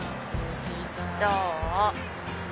じゃあ。